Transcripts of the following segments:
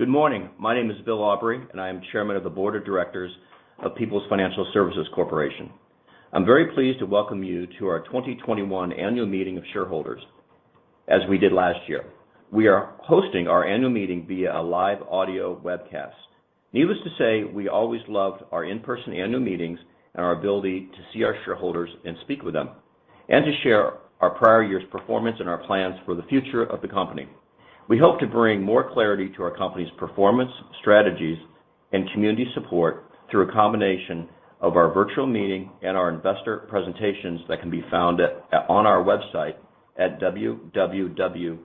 Good morning. My name is Bill Aubrey, and I am Chairman of the Board of Directors of Peoples Financial Services Corporation. I am very pleased to welcome you to our 2021 annual meeting of shareholders. As we did last year, we are hosting our annual meeting via a live audio webcast. Needless to say, we always loved our in-person annual meetings and our ability to see our shareholders and speak with them, and to share our prior year's performance and our plans for the future of the company. We hope to bring more clarity to our company's performance, strategies, and community support through a combination of our virtual meeting and our investor presentations that can be found on our website at www.psbt.com.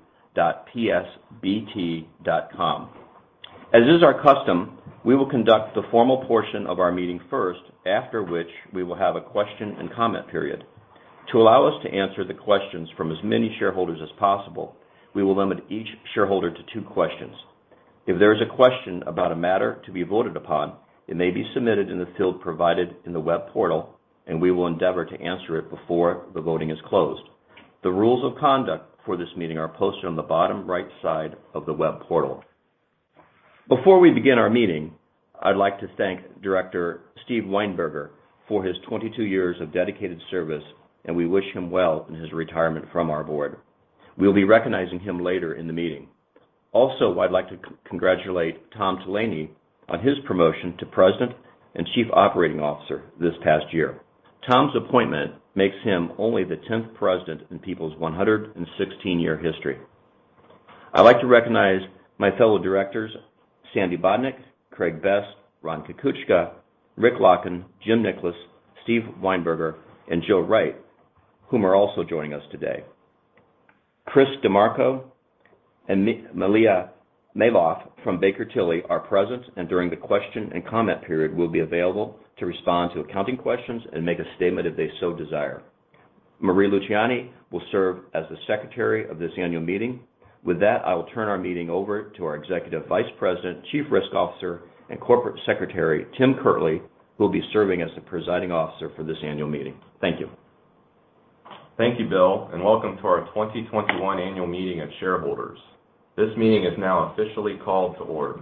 As is our custom, we will conduct the formal portion of our meeting first, after which we will have a question and comment period. To allow us to answer the questions from as many shareholders as possible, we will limit each shareholder to two questions. If there is a question about a matter to be voted upon, it may be submitted in the field provided in the web portal, and we will endeavor to answer it before the voting is closed. The rules of conduct for this meeting are posted on the bottom right side of the web portal. Before we begin our meeting, I'd like to thank Director Steve Weinberger for his 22 years of dedicated service, and we wish him well in his retirement from our board. We'll be recognizing him later in the meeting. Also, I'd like to congratulate Tom Delaney on his promotion to President and Chief Operating Officer this past year. Tom's appointment makes him only the 10th president in Peoples' 116-year history. I'd like to recognize my fellow directors, Sandra Bodnyk, Craig Best, Ron Kukuchka, Rick Lochen, Jim Nicholas, Steve Weinberger, and Joe Wright, whom are also joining us today. Chris DeMarco and Malia Mavoff from Baker Tilly are present and during the question and comment period will be available to respond to accounting questions and make a statement if they so desire. Marie Luciani will serve as the secretary of this annual meeting. With that, I will turn our meeting over to our Executive Vice President, Chief Risk Officer, and Corporate Secretary, Tim Kirtley, who will be serving as the presiding officer for this annual meeting. Thank you. Thank you, Bill, and welcome to our 2021 annual meeting of shareholders. This meeting is now officially called to order.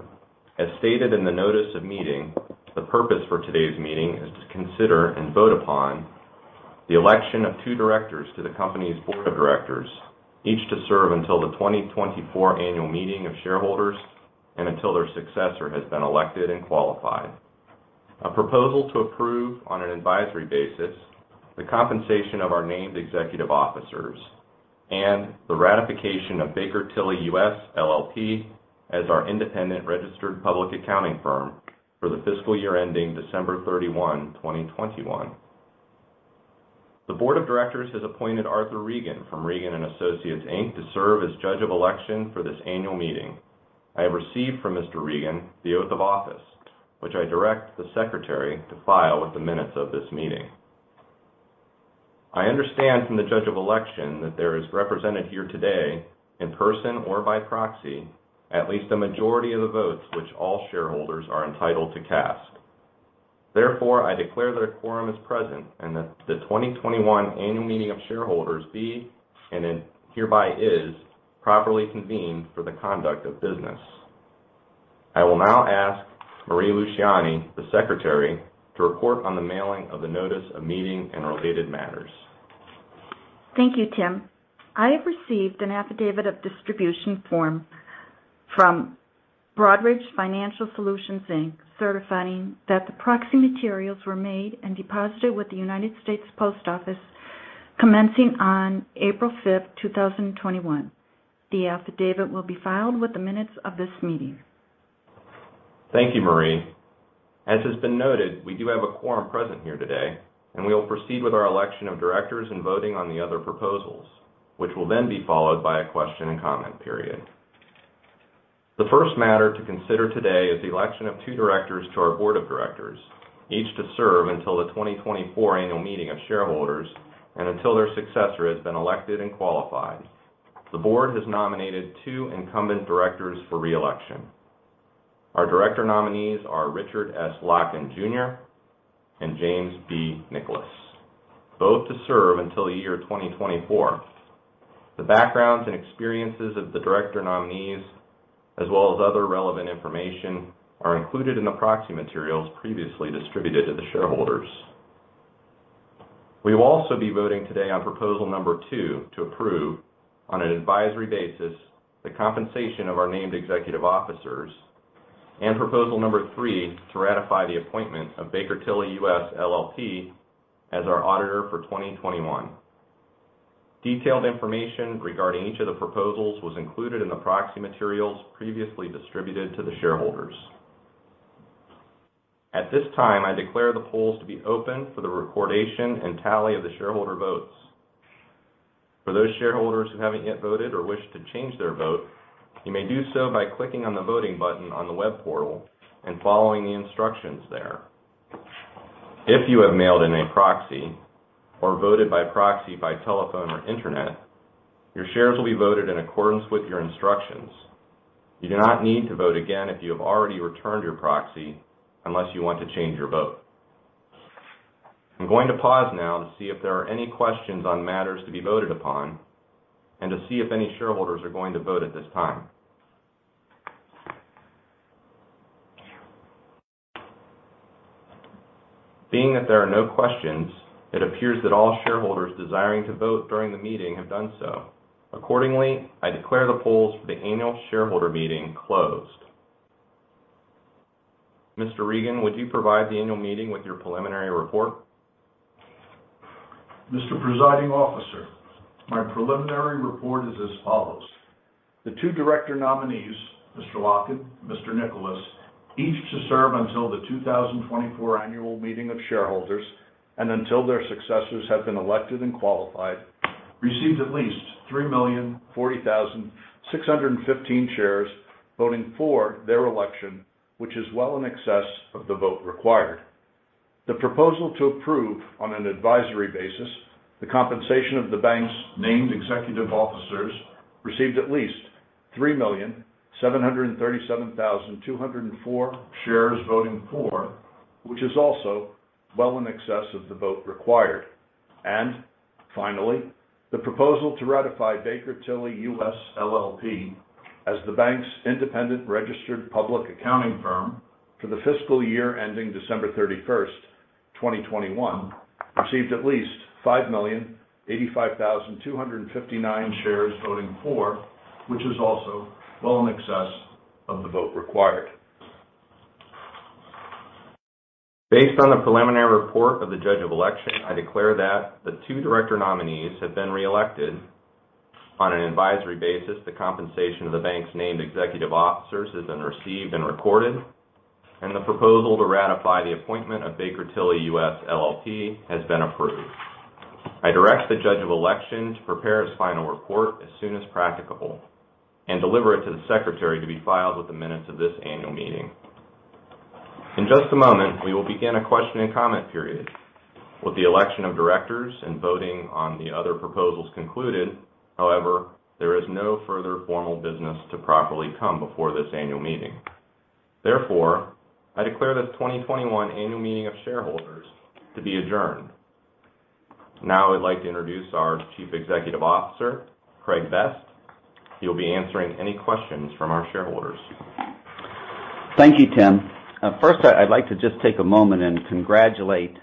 As stated in the notice of meeting, the purpose for today's meeting is to consider and vote upon the election of two directors to the company's Board of Directors, each to serve until the 2024 annual meeting of shareholders and until their successor has been elected and qualified. A proposal to approve, on an advisory basis, the compensation of our named executive officers and the ratification of Baker Tilly U.S., LLP as our independent registered public accounting firm for the fiscal year ending December 31, 2021. The Board of Directors has appointed Arthur Regan from Regan & Associates, Inc. to serve as Judge of Election for this annual meeting. I have received from Mr. Regan the oath of office, which I direct the secretary to file with the minutes of this meeting. I understand from the Judge of Election that there is represented here today, in person or by proxy, at least a majority of the votes which all shareholders are entitled to cast. Therefore, I declare that a quorum is present and that the 2021 annual meeting of shareholders be, and hereby is, properly convened for the conduct of business. I will now ask Marie Luciani, the secretary, to report on the mailing of the notice of meeting and related matters. Thank you, Tim. I have received an affidavit of distribution form from Broadridge Financial Solutions, Inc., certifying that the proxy materials were made and deposited with the United States Post Office commencing on April 5th, 2021. The affidavit will be filed with the minutes of this meeting. Thank you, Marie. As has been noted, we do have a quorum present here today, and we will proceed with our election of directors and voting on the other proposals, which will then be followed by a question and comment period. The first matter to consider today is the election of two directors to our board of directors, each to serve until the 2024 annual meeting of shareholders and until their successor has been elected and qualified. The board has nominated two incumbent directors for re-election. Our director nominees are Richard S. Lochen, Jr. and James B. Nicholas, both to serve until the year 2024. The backgrounds and experiences of the director nominees, as well as other relevant information, are included in the proxy materials previously distributed to the shareholders. We will also be voting today on proposal number two to approve, on an advisory basis, the compensation of our named executive officers, and proposal number three to ratify the appointment of Baker Tilly U.S., LLP as our auditor for 2021. Detailed information regarding each of the proposals was included in the proxy materials previously distributed to the shareholders. At this time, I declare the polls to be open for the recordation and tally of the shareholder votes. For those shareholders who haven't yet voted or wish to change their vote, you may do so by clicking on the voting button on the web portal and following the instructions there. If you have mailed in a proxy or voted by proxy by telephone or internet, your shares will be voted in accordance with your instructions. You do not need to vote again if you have already returned your proxy unless you want to change your vote. I'm going to pause now to see if there are any questions on matters to be voted upon and to see if any shareholders are going to vote at this time. Being that there are no questions, it appears that all shareholders desiring to vote during the meeting have done so. Accordingly, I declare the polls for the annual shareholder meeting closed. Mr. Regan, would you provide the annual meeting with your preliminary report? Mr. Presiding Officer, my preliminary report is as follows. The two director nominees, Mr. Lochen and Mr. Nicholas, each to serve until the 2024 Annual Meeting of Shareholders and until their successors have been elected and qualified, received at least 3,040,615 shares voting for their election, which is well in excess of the vote required. The proposal to approve, on an advisory basis, the compensation of the bank's named executive officers received at least 3,737,204 shares voting for, which is also well in excess of the vote required. Finally, the proposal to ratify Baker Tilly U.S., LLP as the bank's independent registered public accounting firm for the fiscal year ending December 31st, 2021, received at least 5,085,259 shares voting for, which is also well in excess of the vote required. Based on a preliminary report of the Judge of Election, I declare that the two director nominees have been reelected. On an advisory basis, the compensation of the bank's named executive officers has been received and recorded, and the proposal to ratify the appointment of Baker Tilly U.S., LLP has been approved. I direct the Judge of Elections to prepare his final report as soon as practicable and deliver it to the Secretary to be filed with the minutes of this annual meeting. In just a moment, we will begin a question and comment period. With the election of directors and voting on the other proposals concluded, however, there is no further formal business to properly come before this annual meeting. Therefore, I declare this 2021 Annual Meeting of Shareholders to be adjourned. Now I'd like to introduce our Chief Executive Officer, Craig Best. He'll be answering any questions from our shareholders. Thank you, Tim. First, I'd like to just take a moment and congratulate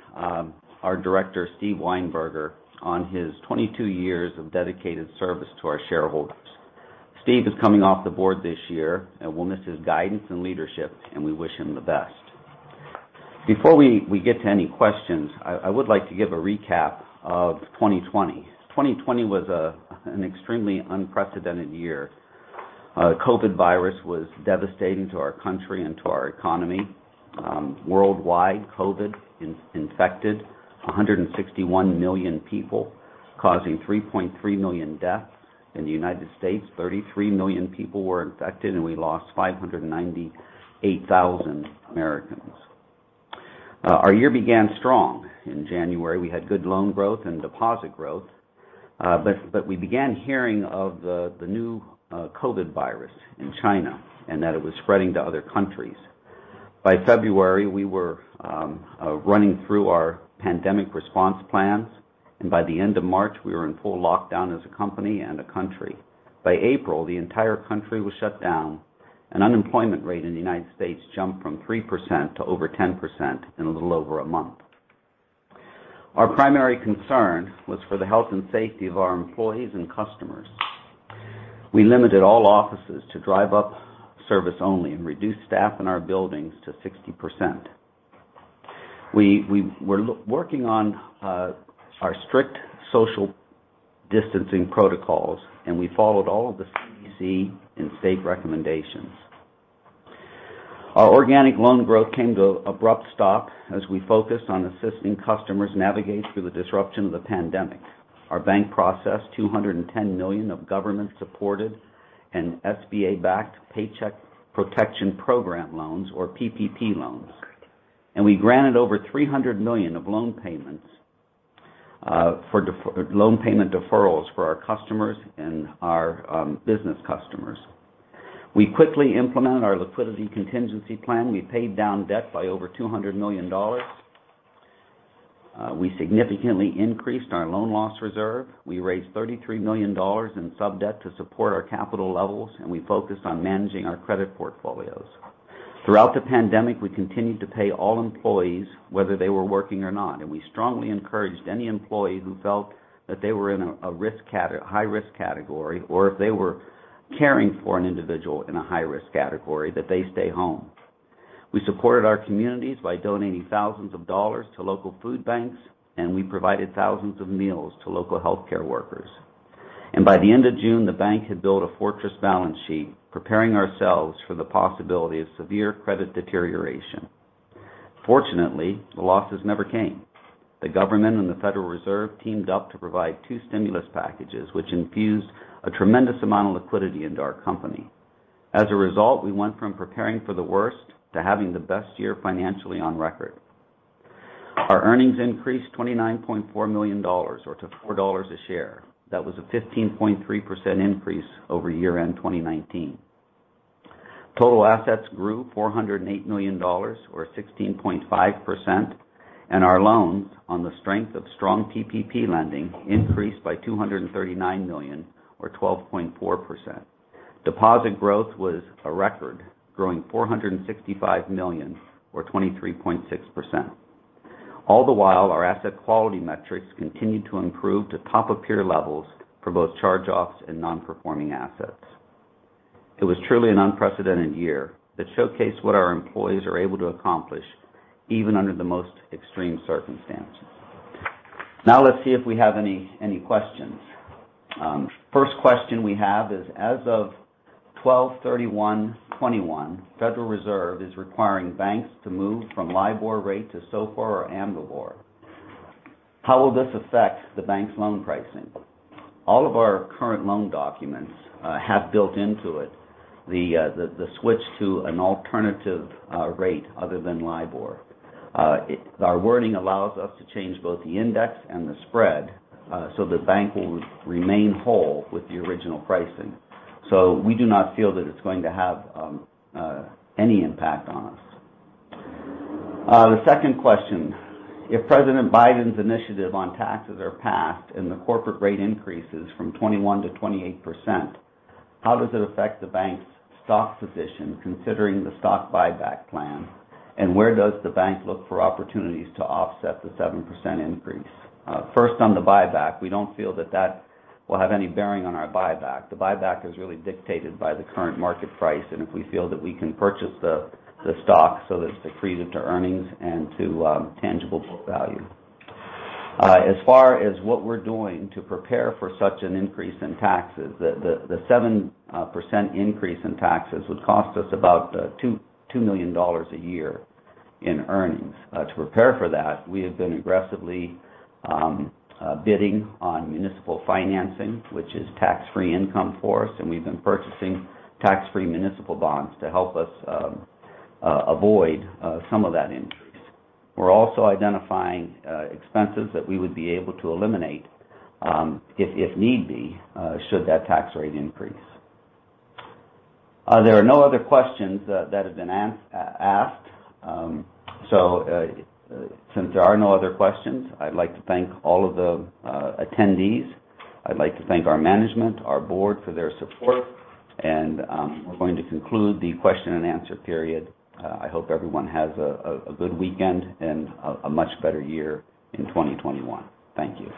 our Director, Steve Weinberger, on his 22 years of dedicated service to our shareholders. Steve is coming off the board this year. We'll miss his guidance and leadership, and we wish him the best. Before we get to any questions, I would like to give a recap of 2020. 2020 was an extremely unprecedented year. COVID virus was devastating to our country and to our economy. Worldwide, COVID infected 161 million people, causing 3.3 million deaths. In the United States, 33 million people were infected, and we lost 598,000 Americans. Our year began strong. In January, we had good loan growth and deposit growth. We began hearing of the new COVID virus in China and that it was spreading to other countries. By February, we were running through our pandemic response plans, and by the end of March, we were in full lockdown as a company and a country. By April, the entire country was shut down, and unemployment rate in the U.S. jumped from 3% to over 10% in a little over a month. Our primary concern was for the health and safety of our employees and customers. We limited all offices to drive-up service only and reduced staff in our buildings to 60%. We were working on our strict social distancing protocols, and we followed all of the CDC and state recommendations. Our organic loan growth came to an abrupt stop as we focused on assisting customers navigate through the disruption of the pandemic. Our bank processed $210 million of government-supported and SBA-backed Paycheck Protection Program loans, or PPP loans, and we granted over $300 million of loan payment deferrals for our customers and our business customers. We quickly implemented our liquidity contingency plan. We paid down debt by over $200 million. We significantly increased our loan loss reserve. We raised $33 million in sub-debt to support our capital levels, and we focused on managing our credit portfolios. Throughout the pandemic, we continued to pay all employees, whether they were working or not, and we strongly encouraged any employee who felt that they were in a high-risk category, or if they were caring for an individual in a high-risk category, that they stay home. We supported our communities by donating thousands of dollars to local food banks, and we provided thousands of meals to local healthcare workers. By the end of June, the bank had built a fortress balance sheet, preparing ourselves for the possibility of severe credit deterioration. Fortunately, the losses never came. The government and the Federal Reserve teamed up to provide two stimulus packages, which infused a tremendous amount of liquidity into our company. As a result, we went from preparing for the worst to having the best year financially on record. Our earnings increased $29.4 million, or to $4 a share. That was a 15.3% increase over year-end 2019. Total assets grew $408 million or 16.5%, and our loans on the strength of strong PPP lending increased by $239 million or 12.4%. Deposit growth was a record, growing $465 million or 23.6%. All the while, our asset quality metrics continued to improve to top of peer levels for both charge-offs and non-performing assets. It was truly an unprecedented year that showcased what our employees are able to accomplish even under the most extreme circumstances. Let's see if we have any questions. First question we have is, as of 12/31/2021, Federal Reserve is requiring banks to move from LIBOR rate to SOFR or AMERIBOR. How will this affect the bank's loan pricing? All of our current loan documents have built into it the switch to an alternative rate other than LIBOR. Our wording allows us to change both the index and the spread so the bank will remain whole with the original pricing. We do not feel that it's going to have any impact on us. The second question, if President Biden's initiative on taxes are passed and the corporate rate increases from 21% to 28%, how does it affect the bank's stock position considering the stock buyback plan, and where does the bank look for opportunities to offset the 7% increase? On the buyback, we don't feel that that will have any bearing on our buyback. The buyback is really dictated by the current market price, and if we feel that we can purchase the stock so that it's accretive to earnings and to tangible book value. As far as what we're doing to prepare for such an increase in taxes, the 7% increase in taxes would cost us about $2 million a year in earnings. To prepare for that, we have been aggressively bidding on municipal financing, which is tax-free income for us, and we've been purchasing tax-free municipal bonds to help us avoid some of that increase. We're also identifying expenses that we would be able to eliminate if need be, should that tax rate increase. There are no other questions that have been asked. Since there are no other questions, I'd like to thank all of the attendees. I'd like to thank our management, our board for their support, and we're going to conclude the question and answer period. I hope everyone has a good weekend and a much better year in 2021. Thank you.